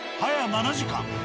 ７時間！？